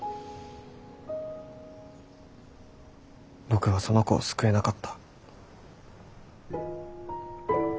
僕はその子を救えなかった。